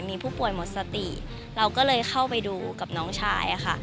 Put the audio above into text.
มีผู้ป่วยหมดสติเราก็เลยเข้าไปดูกับน้องชายค่ะ